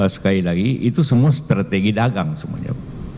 sekali lagi itu semua strategi dagang semuanya